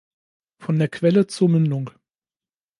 Von der Quelle zur Mündung.